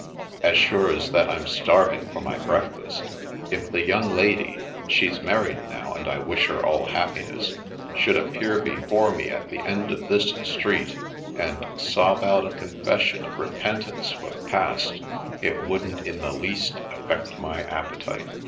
" As sure as that I'm starving for my breakfast. If the young lady — she's married now, and I wish her all happiness — should appear before me at the end of this street, and sob out a confession of re pentance for the past, it wouldn't in the least affect my appetite.